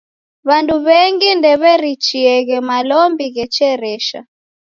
W'andu w'engi ndew'erecheeghe malombi ghecheresha.